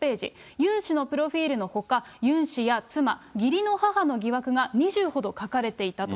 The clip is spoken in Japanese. ユン氏のプロフィールのほか、ユン氏や妻、義理の母の疑惑が２０ほど書かれていたと。